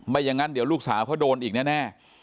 อย่างนั้นเดี๋ยวลูกสาวเขาโดนอีกแน่